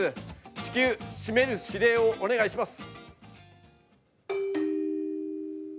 至急、しめる指令をお願いします。